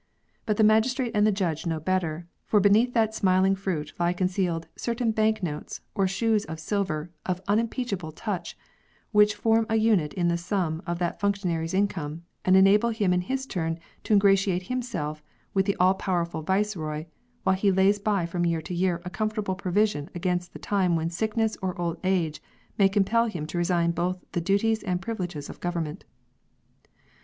But the Magis trate and the Judge know better, for beneath that smiling fruit lie concealed certain bank notes or shoes of silver of unimpeachable touch, which form a unit in the sum of that functionary's income, and enable him in his turn to ingratiate himself with the all powerful Viceroy, while he lays by from year to year a comfortable provision against the time when sickness or old age may compel him to resign both the duties and privileges of government.